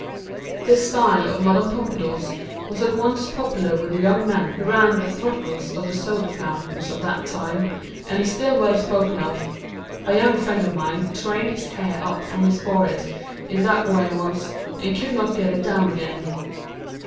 This style of Mme. Pompadour's was at once popular with the young men who ran the throttles of the soda fountains of that time, and is still well spoken of. A young friend of mine trained his hair up from his forehead in that way once and could not get it down again.